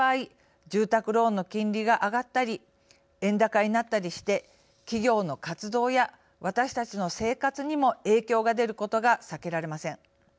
住宅ローンの金利が上がったり円高になったりして企業の活動や私たちの生活にも影響が出ることが避けられません。